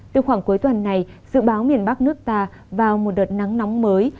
từ khoảng cuối tuần này dự báo miền bắc nước ta vào một đợt nắng nóng mới